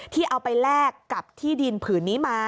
ที่เอาไปแลกกับที่ดินผืนนี้มา